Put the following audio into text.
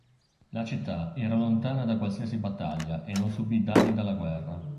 La città era lontana da qualsiasi battaglia e non subì danni dalla guerra.